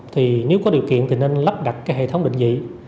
thì nếu có điều kiện thì nên lắp đặt hệ thống định dị